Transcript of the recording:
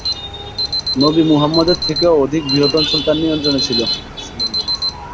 নবী মুহাম্মাদের থেকেও অধিক বৃহৎ অঞ্চল তার নিয়ন্ত্রণে ছিল।